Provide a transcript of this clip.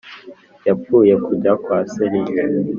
yapfuye kujya kwa serije